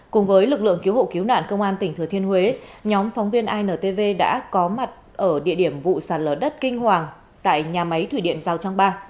cùng với lực lượng cứu hộ cứu nạn công an tỉnh thừa thiên huế nhóm phóng viên intv đã có mặt ở địa điểm vụ sạt lở đất kinh hoàng tại nhà máy thủy điện giao trang ba